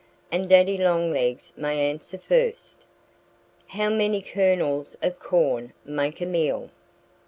"And Daddy Longlegs may answer first.... How many kernels of corn make a meal!"